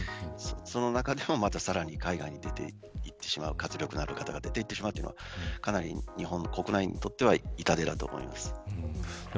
その中でもまたさらに海外に出て行ってしまう活力のある方が出て行ってしまうというのは日本国内にとっては痛手だと思います。